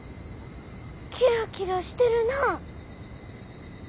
キラキラしてるな。